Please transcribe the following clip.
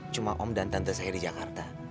cuma om dan tante saya di jakarta